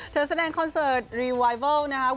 แสดงคอนเสิร์ตรีไวเวิลนะครับ